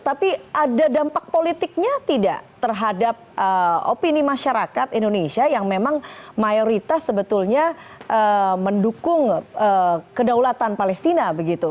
tapi ada dampak politiknya tidak terhadap opini masyarakat indonesia yang memang mayoritas sebetulnya mendukung kedaulatan palestina begitu